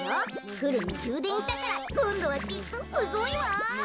フルにじゅうでんしたからこんどはきっとすごいわ。